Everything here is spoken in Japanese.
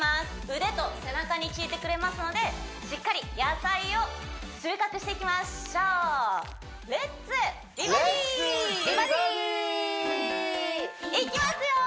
腕と背中にきいてくれますのでしっかり野菜を収穫していきましょういきますよー！